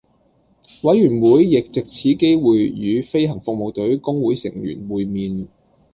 委員會亦藉此機會與飛行服務隊工會成員會面